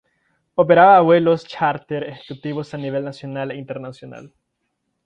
Operaba vuelos chárter ejecutivos a nivel nacional e internacional.